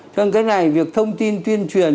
cho nên cái này việc thông tin tuyên truyền